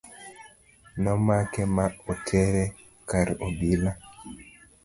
nomake ma otere kar obila